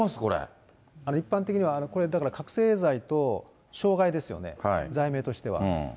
一般的にはこれ、だから覚醒剤と傷害ですよね、罪名としては。